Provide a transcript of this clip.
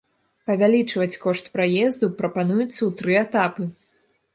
Павялічваць кошт праезду прапануецца ў тры этапы.